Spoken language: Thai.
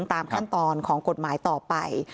ตามขั้นตอนของกฎหมายต่อไป